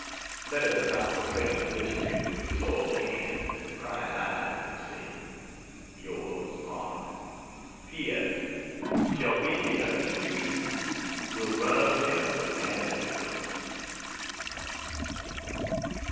Let us not profane the mysteries with soiled hands and prying eyes of sin. Yours, MARK. P. S. Shall be here 2 weeks, will run up there when Nasby comes.